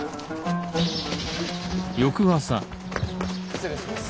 失礼します。